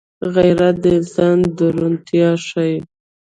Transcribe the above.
غیرت د انسان درونتيا ښيي